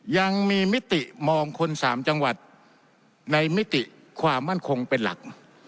ยังมีมิติมองคนสามจังหวัดในมิติความมั่นคงเป็นหลัก